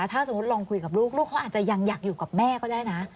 ถ้าสมมุติลองคุยกับลูกลูกเขาอาจจะยังอยากอยู่กับแม่ก็ได้นะ